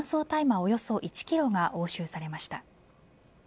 およそ１ｋｇが押収されました。